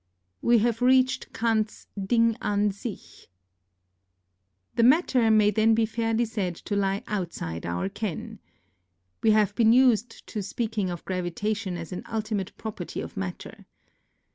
We have reached Kant's Ding an sich.^ The matter may then be fairly said to lie outside our ken. We have been used to speaking of gravitation as an ultimate property of matter.